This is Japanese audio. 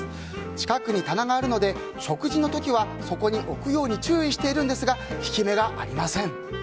近くに棚があるので食事の時はそこに置くように注意しているんですが効き目がありません。